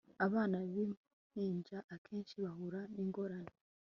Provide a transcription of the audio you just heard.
Abana bimpinja akenshi bahura ningorane